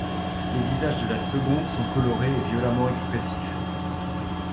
Les visages de la seconde sont colorés et violemment expressifs.